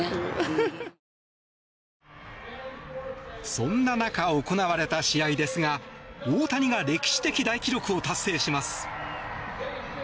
そんな中、行われた試合ですが大谷が歴史的大記録を達成します。